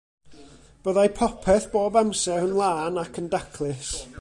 Byddai popeth bob amser yn lân ac yn daclus.